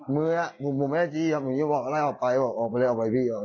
มือผมไม่ได้จี้ครับผมไม่ได้ออกไปบอกออกไปเลยออกไปเลยพี่